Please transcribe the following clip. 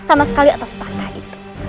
sama sekali atas patah itu